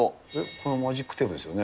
このマジックテープですよね。